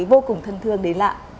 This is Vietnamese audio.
vô cùng thân thương đến lạ